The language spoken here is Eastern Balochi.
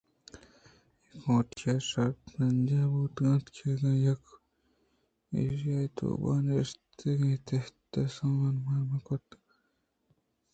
اے کوٹی شربرجاہ بوتگ اَت اگاں یکے ءَ ایشی ءِ تہابہ نشتیں ءُتحت ءُسامان مان بہ کُتیں اَنت بلئے اِدا ایوک یک گونی ئےپگ ءَابید دگہ ہچی گندگ نہ بوت